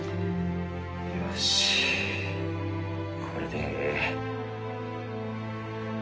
これでええ！